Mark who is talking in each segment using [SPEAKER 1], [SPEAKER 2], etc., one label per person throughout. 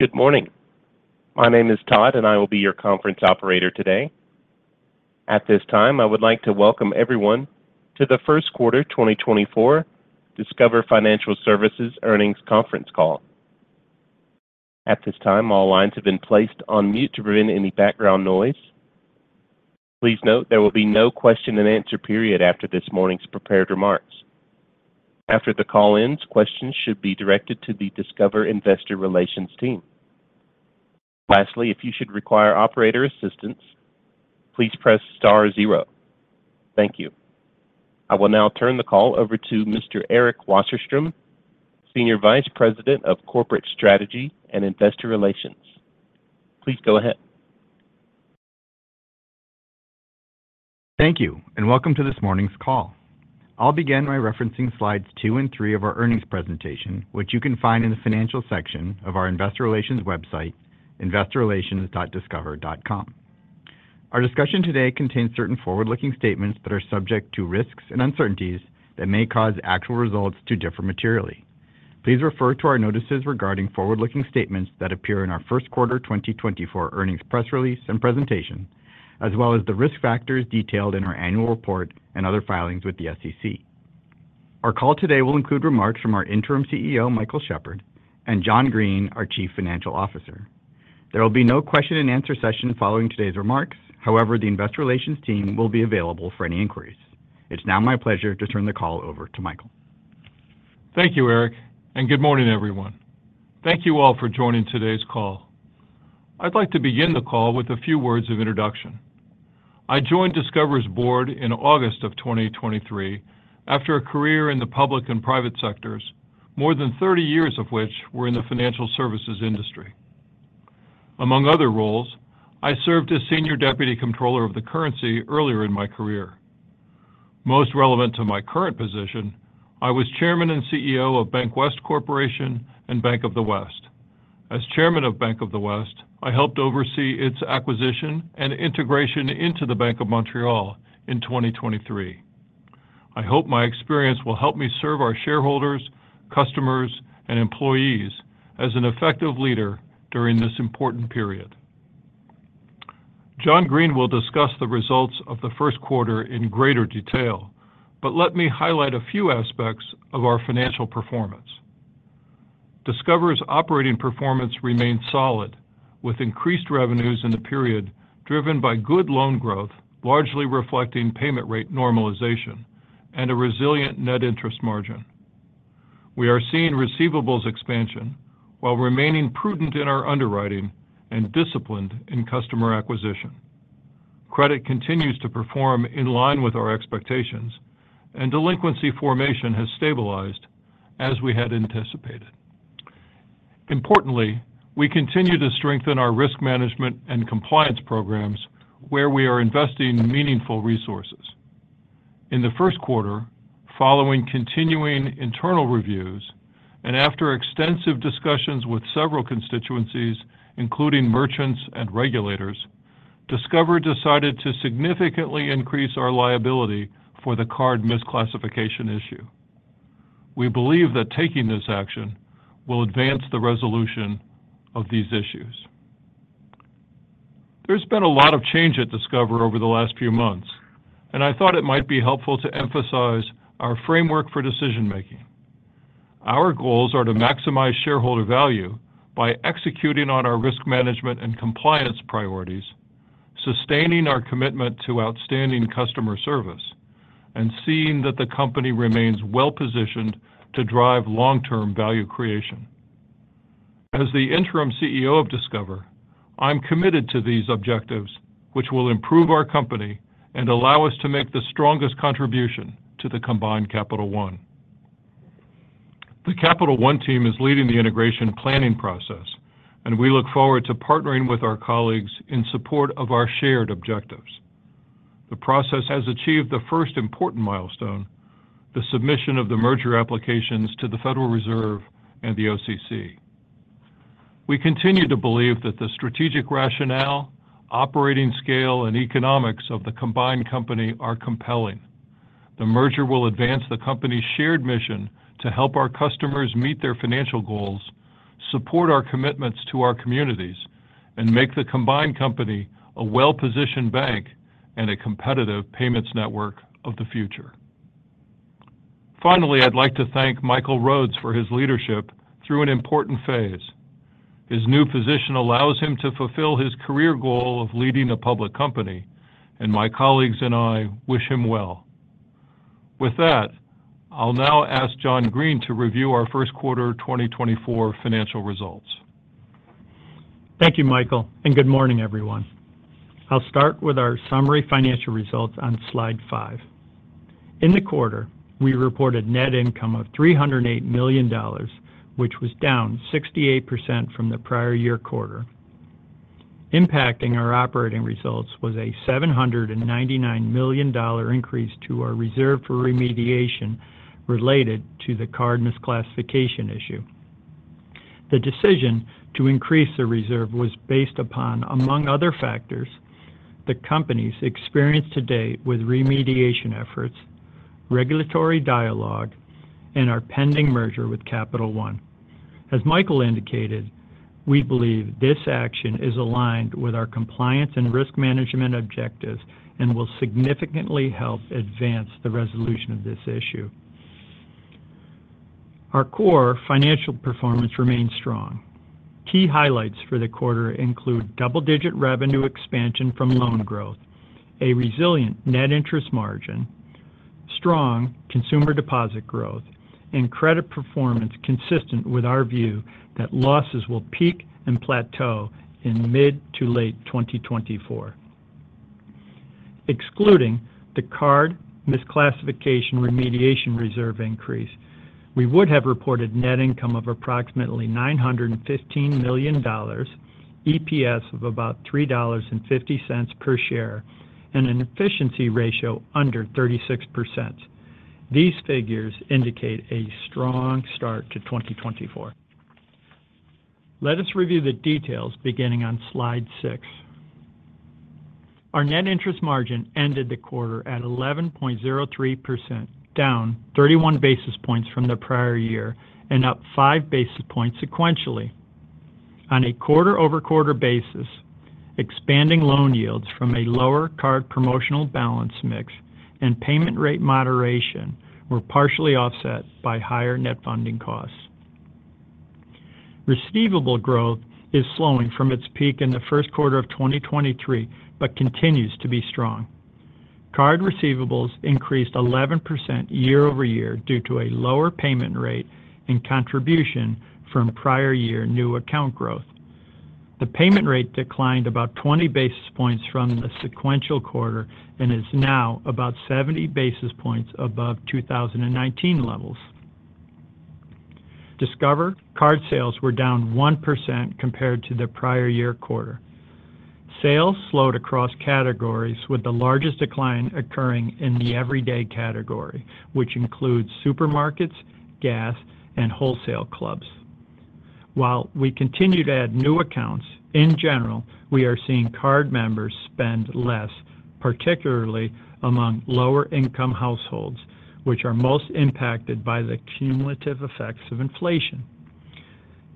[SPEAKER 1] Good morning. My name is Todd, and I will be your conference operator today. At this time, I would like to welcome everyone to the first quarter 2024 Discover Financial Services earnings conference call. At this time, all lines have been placed on mute to prevent any background noise. Please note there will be no question-and-answer period after this morning's prepared remarks. After the call ends, questions should be directed to the Discover Investor Relations team. Lastly, if you should require operator assistance, please press star zero. Thank you. I will now turn the call over to Mr. Eric Wasserstrom, Senior Vice President of Corporate Strategy and Investor Relations. Please go ahead.
[SPEAKER 2] Thank you, and welcome to this morning's call. I'll begin by referencing slides two and three of our earnings presentation, which you can find in the financial section of our Investor Relations website, investorrelations.discover.com. Our discussion today contains certain forward-looking statements that are subject to risks and uncertainties that may cause actual results to differ materially. Please refer to our notices regarding forward-looking statements that appear in our first quarter 2024 earnings press release and presentation, as well as the risk factors detailed in our annual report and other filings with the SEC. Our call today will include remarks from our Interim CEO, Michael Shepherd, and John Greene, our Chief Financial Officer. There will be no question-and-answer session following today's remarks; however, the Investor Relations team will be available for any inquiries. It's now my pleasure to turn the call over to Michael.
[SPEAKER 3] Thank you, Eric, and good morning, everyone. Thank you all for joining today's call. I'd like to begin the call with a few words of introduction. I joined Discover's board in August of 2023 after a career in the public and private sectors, more than 30 years of which were in the financial services industry. Among other roles, I served as Senior Deputy Comptroller of the Currency earlier in my career. Most relevant to my current position, I was Chairman and CEO of BancWest Corporation and Bank of the West. As Chairman of Bank of the West, I helped oversee its acquisition and integration into the Bank of Montreal in 2023. I hope my experience will help me serve our shareholders, customers, and employees as an effective leader during this important period. John Greene will discuss the results of the first quarter in greater detail, but let me highlight a few aspects of our financial performance. Discover's operating performance remains solid, with increased revenues in the period driven by good loan growth, largely reflecting payment rate normalization, and a resilient net interest margin. We are seeing receivables expansion while remaining prudent in our underwriting and disciplined in customer acquisition. Credit continues to perform in line with our expectations, and delinquency formation has stabilized as we had anticipated. Importantly, we continue to strengthen our risk management and compliance programs where we are investing meaningful resources. In the first quarter, following continuing internal reviews and after extensive discussions with several constituencies, including merchants and regulators, Discover decided to significantly increase our liability for the card misclassification issue. We believe that taking this action will advance the resolution of these issues. There's been a lot of change at Discover over the last few months, and I thought it might be helpful to emphasize our framework for decision-making. Our goals are to maximize shareholder value by executing on our risk management and compliance priorities, sustaining our commitment to outstanding customer service, and seeing that the company remains well-positioned to drive long-term value creation. As the Interim CEO of Discover, I'm committed to these objectives, which will improve our company and allow us to make the strongest contribution to the combined Capital One. The Capital One team is leading the integration planning process, and we look forward to partnering with our colleagues in support of our shared objectives. The process has achieved the first important milestone: the submission of the merger applications to the Federal Reserve and the OCC. We continue to believe that the strategic rationale, operating scale, and economics of the combined company are compelling. The merger will advance the company's shared mission to help our customers meet their financial goals, support our commitments to our communities, and make the combined company a well-positioned bank and a competitive payments network of the future. Finally, I'd like to thank Michael Rhodes for his leadership through an important phase. His new position allows him to fulfill his career goal of leading a public company, and my colleagues and I wish him well. With that, I'll now ask John Greene to review our first quarter 2024 financial results.
[SPEAKER 4] Thank you, Michael, and good morning, everyone. I'll start with our summary financial results on slide five. In the quarter, we reported net income of $308 million, which was down 68% from the prior year quarter. Impacting our operating results was a $799 million increase to our reserve for remediation related to the card misclassification issue. The decision to increase the reserve was based upon, among other factors, the company's experience to date with remediation efforts, regulatory dialogue, and our pending merger with Capital One. As Michael indicated, we believe this action is aligned with our compliance and risk management objectives and will significantly help advance the resolution of this issue. Our core financial performance remains strong. Key highlights for the quarter include double-digit revenue expansion from loan growth, a resilient net interest margin, strong consumer deposit growth, and credit performance consistent with our view that losses will peak and plateau in mid to late 2024. Excluding the card misclassification remediation reserve increase, we would have reported net income of approximately $915 million, EPS of about $3.50 per share, and an efficiency ratio under 36%. These figures indicate a strong start to 2024. Let us review the details beginning on slide six. Our net interest margin ended the quarter at 11.03%, down 31 basis points from the prior year and up five basis points sequentially. On a quarter-over-quarter basis, expanding loan yields from a lower card promotional balance mix and payment rate moderation were partially offset by higher net funding costs. Receivable growth is slowing from its peak in the first quarter of 2023 but continues to be strong. Card receivables increased 11% year-over-year due to a lower payment rate and contribution from prior year new account growth. The payment rate declined about 20 basis points from the sequential quarter and is now about 70 basis points above 2019 levels. Discover Card sales were down 1% compared to the prior year quarter. Sales slowed across categories, with the largest decline occurring in the Everyday category, which includes supermarkets, gas, and wholesale clubs. While we continue to add new accounts, in general, we are seeing card members spend less, particularly among lower-income households, which are most impacted by the cumulative effects of inflation.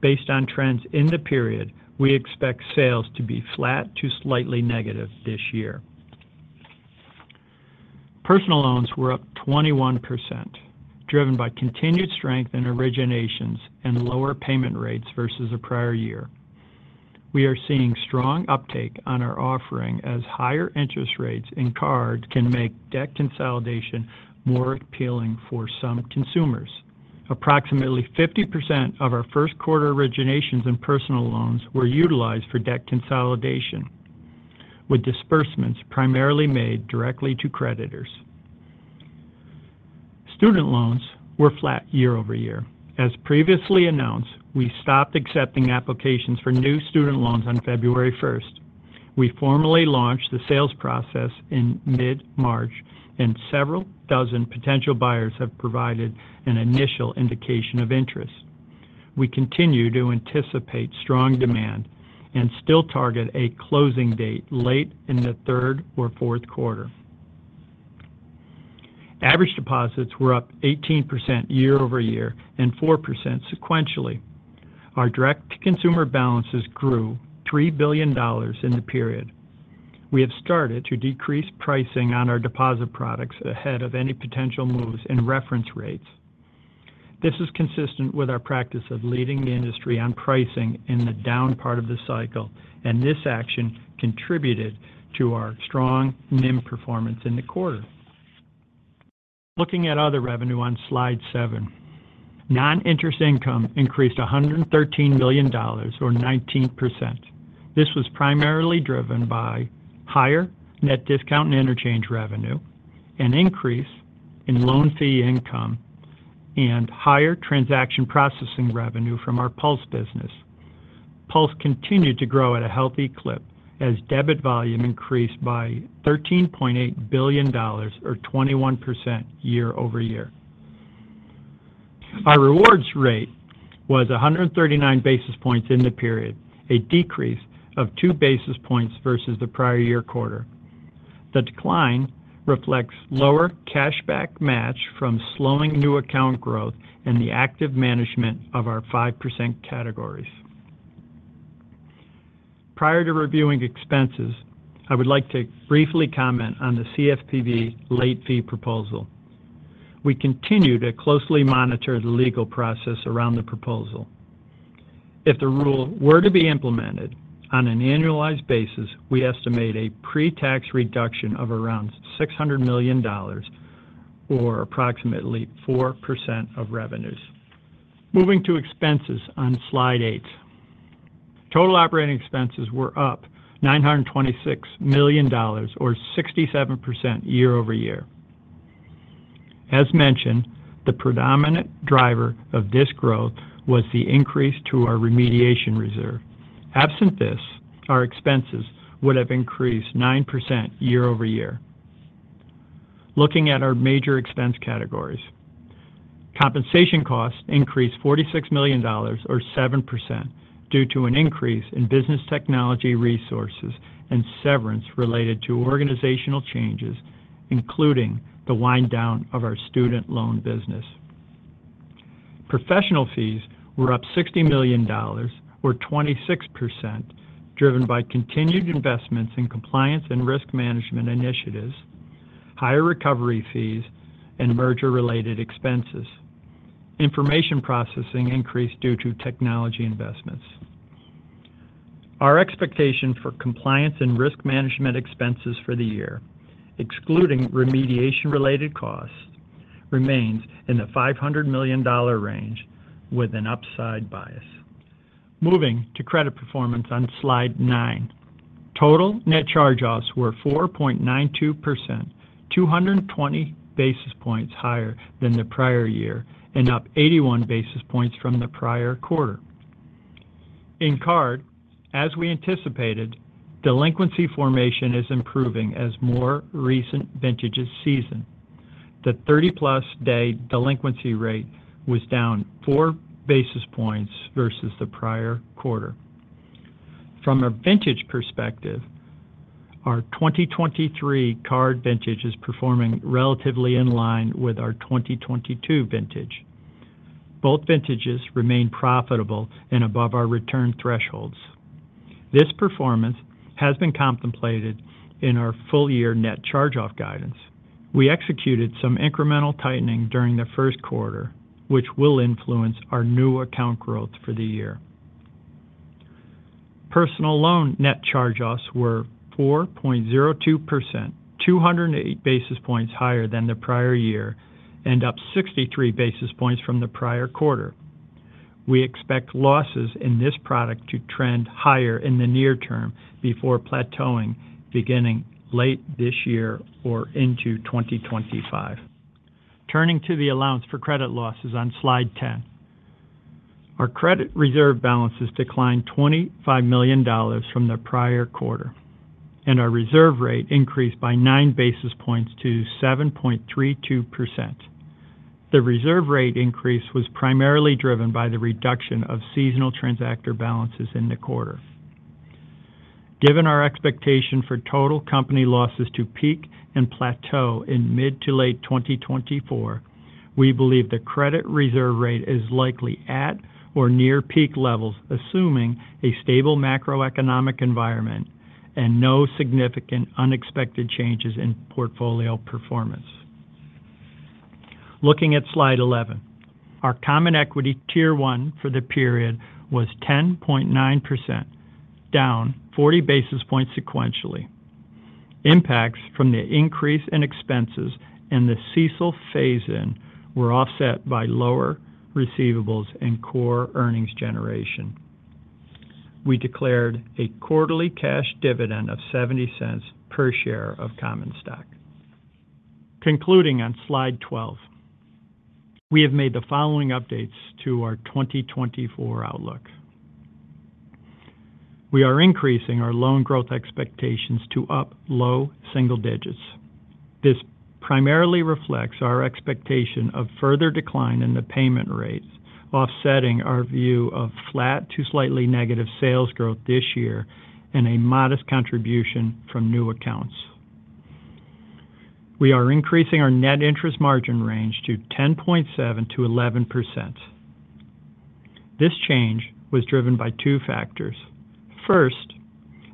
[SPEAKER 4] Based on trends in the period, we expect sales to be flat to slightly negative this year. Personal Loans were up 21%, driven by continued strength in originations and lower payment rates versus the prior year. We are seeing strong uptake on our offering as higher interest rates in card can make debt consolidation more appealing for some consumers. Approximately 50% of our first quarter originations in Personal Loans were utilized for debt consolidation, with disbursements primarily made directly to creditors. Student Loans were flat year-over-year. As previously announced, we stopped accepting applications for new Student Loans on February 1st. We formally launched the sales process in mid-March, and several dozen potential buyers have provided an initial indication of interest. We continue to anticipate strong demand and still target a closing date late in the third or fourth quarter. Average deposits were up 18% year-over-year and 4% sequentially. Our direct-to-consumer balances grew $3 billion in the period. We have started to decrease pricing on our deposit products ahead of any potential moves in reference rates. This is consistent with our practice of leading the industry on pricing in the down part of the cycle, and this action contributed to our strong NIM performance in the quarter. Looking at other revenue on slide seven, non-interest income increased $113 million or 19%. This was primarily driven by higher net discount and interchange revenue, an increase in loan fee income, and higher transaction processing revenue from our PULSE business. PULSE continued to grow at a healthy clip as debit volume increased by $13.8 billion or 21% year-over-year. Our rewards rate was 139 basis points in the period, a decrease of 2 basis points versus the prior year quarter. The decline reflects lower Cashback Match from slowing new account growth and the active management of our 5% categories. Prior to reviewing expenses, I would like to briefly comment on the CFPB late fee proposal. We continue to closely monitor the legal process around the proposal. If the rule were to be implemented on an annualized basis, we estimate a pre-tax reduction of around $600 million or approximately 4% of revenues. Moving to expenses on slide eight, total operating expenses were up $926 million or 67% year-over-year. As mentioned, the predominant driver of this growth was the increase to our remediation reserve. Absent this, our expenses would have increased 9% year-over-year. Looking at our major expense categories, compensation costs increased $46 million or 7% due to an increase in business technology resources and severance related to organizational changes, including the winddown of our student loan business. Professional fees were up $60 million or 26%, driven by continued investments in compliance and risk management initiatives, higher recovery fees, and merger-related expenses. Information processing increased due to technology investments. Our expectation for compliance and risk management expenses for the year, excluding remediation-related costs, remains in the $500 million range with an upside bias. Moving to credit performance on slide nine, total net charge-offs were 4.92%, 220 basis points higher than the prior year and up 81 basis points from the prior quarter. In card, as we anticipated, delinquency formation is improving as more recent vintages season. The 30-plus-day delinquency rate was down 4 basis points versus the prior quarter. From a vintage perspective, our 2023 card vintage is performing relatively in line with our 2022 vintage. Both vintages remain profitable and above our return thresholds. This performance has been contemplated in our full-year net charge-off guidance. We executed some incremental tightening during the first quarter, which will influence our new account growth for the year. Personal loan net charge-offs were 4.02%, 208 basis points higher than the prior year and up 63 basis points from the prior quarter. We expect losses in this product to trend higher in the near term before plateauing beginning late this year or into 2025. Turning to the allowance for credit losses on slide 10, our credit reserve balances declined $25 million from the prior quarter, and our reserve rate increased by 9 basis points to 7.32%. The reserve rate increase was primarily driven by the reduction of seasonal transactor balances in the quarter. Given our expectation for total company losses to peak and plateau in mid to late 2024, we believe the credit reserve rate is likely at or near peak levels, assuming a stable macroeconomic environment and no significant unexpected changes in portfolio performance. Looking at slide 11, our Common Equity Tier 1 for the period was 10.9%, down 40 basis points sequentially. Impacts from the increase in expenses and the CECL phase-in were offset by lower receivables and core earnings generation. We declared a quarterly cash dividend of $0.70 per share of common stock. Concluding on slide 12, we have made the following updates to our 2024 outlook. We are increasing our loan growth expectations to up low single digits. This primarily reflects our expectation of further decline in the payment rates, offsetting our view of flat to slightly negative sales growth this year and a modest contribution from new accounts. We are increasing our net interest margin range to 10.7%-11%. This change was driven by two factors. First,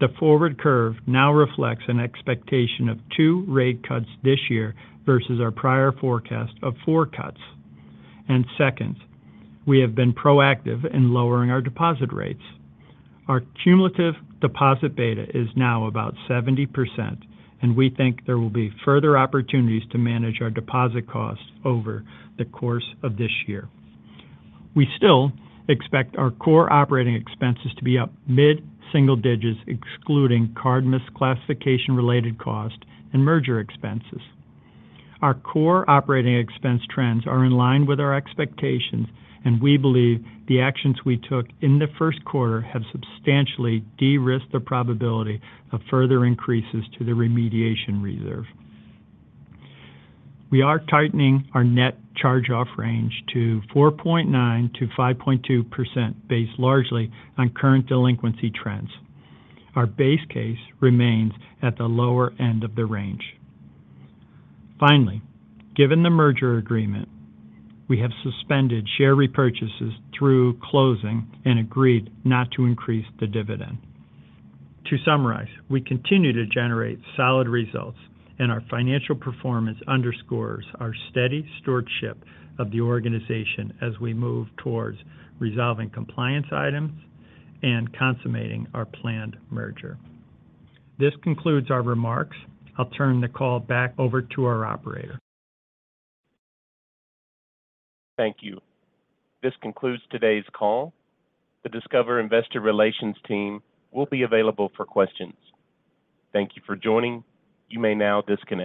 [SPEAKER 4] the forward curve now reflects an expectation of two rate cuts this year versus our prior forecast of four cuts. Second, we have been proactive in lowering our deposit rates. Our cumulative deposit beta is now about 70%, and we think there will be further opportunities to manage our deposit costs over the course of this year. We still expect our core operating expenses to be up mid single digits, excluding card misclassification-related cost and merger expenses. Our core operating expense trends are in line with our expectations, and we believe the actions we took in the first quarter have substantially de-risked the probability of further increases to the remediation reserve. We are tightening our net charge-off range to 4.9%-5.2%, based largely on current delinquency trends. Our base case remains at the lower end of the range. Finally, given the merger agreement, we have suspended share repurchases through closing and agreed not to increase the dividend. To summarize, we continue to generate solid results, and our financial performance underscores our steady stewardship of the organization as we move towards resolving compliance items and consummating our planned merger. This concludes our remarks. I'll turn the call back over to our operator.
[SPEAKER 2] Thank you. This concludes today's call. The Discover Investor Relations team will be available for questions. Thank you for joining. You may now disconnect.